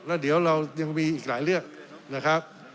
แล้วเดี๋ยวเรายังมีอีกหลายเรื่องนะครับ